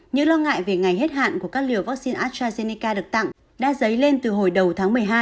những lo ngại về ngày hết hạn của các liều vaccine astrazeneca được tặng đã dấy lên từ hồi đầu tháng một mươi hai